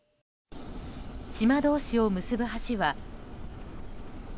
島同士を結ぶ橋は。